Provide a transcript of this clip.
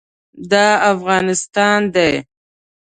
دا افغانستان دی.